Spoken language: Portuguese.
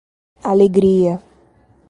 Alegria